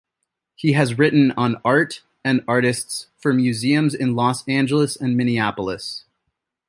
He has written on art and artists for museums in Los Angeles and Minneapolis.